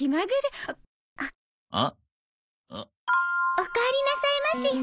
おかえりなさいましお父様。